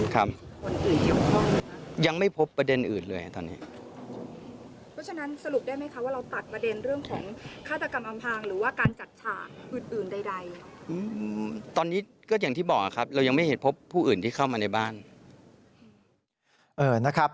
คาดีนี้เรื่องต้นน่าจะมีมูลเหตุคือลูกชายและลูกแม่เท่านั้น